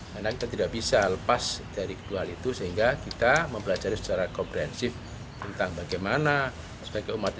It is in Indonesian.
karena kita tidak bisa lepas dari kedua hal itu sehingga kita mempelajari secara komprehensif tentang bagaimana sebagai umat islam yang baik